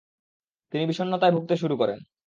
তিনি বিষন্নতায় ভুগতে শুরু করেন।